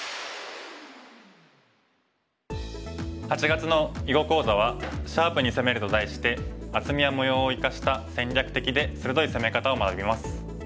８月の囲碁講座は「シャープに攻める」と題して厚みや模様を生かした戦略的で鋭い攻め方を学びます。